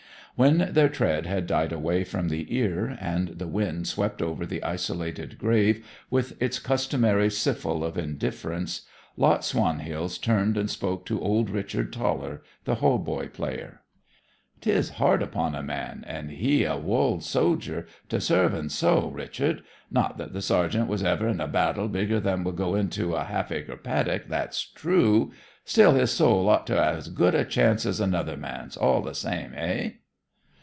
When their tread had died away from the ear, and the wind swept over the isolated grave with its customary siffle of indifference, Lot Swanhills turned and spoke to old Richard Toller, the hautboy player. ''Tis hard upon a man, and he a wold sojer, to serve en so, Richard. Not that the sergeant was ever in a battle bigger than would go into a half acre paddock, that's true. Still, his soul ought to hae as good a chance as another man's, all the same, hey?'